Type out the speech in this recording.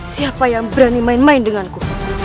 siapa yang berani main main denganku